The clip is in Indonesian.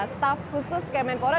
staf khusus kemenpora